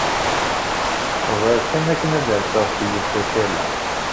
Bɣiɣ kan ad rseɣ seg usakal-a.